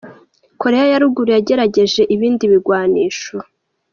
Korea ya ruguru yagerageje ibindi bigwanisho.